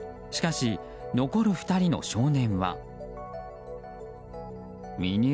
しかし、残る２人の少年は。